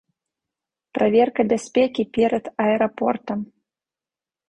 Праверка бяспекі перад аэрапортам.